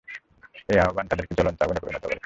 এই আহ্বান তাদেরকে জ্বলন্ত আগুনে পরিণত করে।